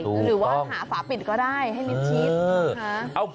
หรือว่าหาฝาปิดก็ได้ให้นิดที